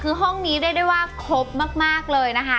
คือห้องนี้เรียกได้ว่าครบมากเลยนะคะ